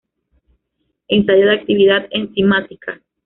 Ensayo de actividad enzimática